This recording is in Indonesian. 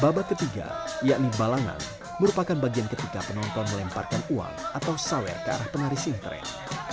babak ketiga yakni balangan merupakan bagian ketika penonton melemparkan uang atau sawer ke arah penari sintren